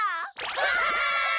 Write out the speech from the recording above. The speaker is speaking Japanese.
わい！